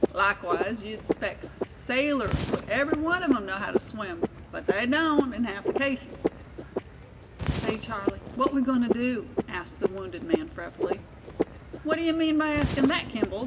Likewise, you'd expect sailors would every one of 'em know how to swim; but they don't, in half the cases." "Say, Charlie, what we goin' to do?" asked the wounded man, fretfully. "What d'ye mean by askin' thet, Kimball?"